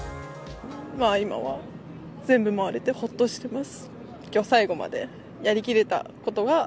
今は全部回れてほっとしてます。